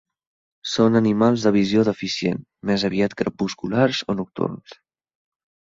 Són animals de visió deficient, més aviat crepusculars o nocturns.